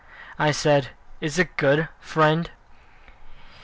I said, "Is it good, friend?"